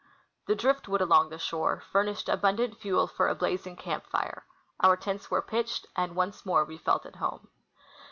The drift wood along the shore furnished abundant fuel for a blazing camp fire ; our tents were pitched, and once more we felt at home.